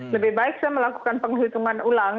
lebih baik saya melakukan penghitungan ulang